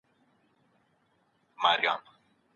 افغان ځوانان د بهرنیو هیوادونو قانوني خوندیتوب نه لري.